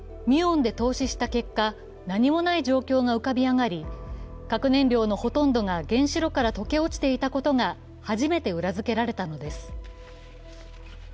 ミュオンで透視した結果、何もない状況が浮かび上がり核燃料のほとんどが原子炉から溶け落ちていたことが初めて裏づけられたのです。